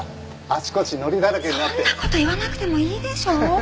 そんな事言わなくてもいいでしょ！